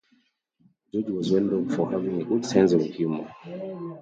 George was well known for having a good sense of humor.